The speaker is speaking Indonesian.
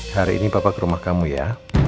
hari ini bapak ke rumah kamu ya